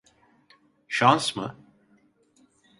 Şans mı?